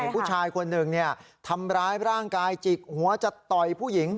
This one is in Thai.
ผู้ชายคนหนึ่งทำร้ายร่างกายจิกหัวจะต่อยผู้หญิง